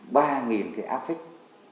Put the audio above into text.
ba cái áp phích